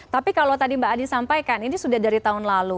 tapi kalau tadi mbak adi sampaikan ini sudah dari tahun lalu